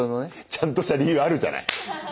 ちゃんとした理由あるじゃない。